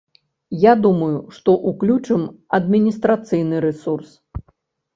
Я думаю, што ўключым адміністрацыйны рэсурс.